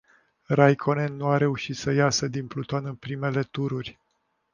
Raikkonen nu a reușit să iasă din pluton în primele tururi.